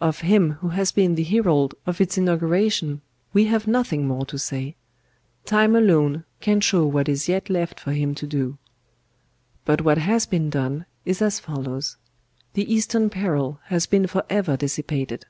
Of him who has been the herald of its inauguration we have nothing more to say. Time alone can show what is yet left for him to do. "But what has been done is as follows. The Eastern peril has been for ever dissipated.